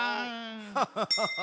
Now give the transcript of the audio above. ハハハハッ。